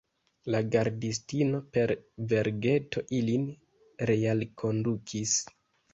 La gardistino, per vergeto ilin realkondukis.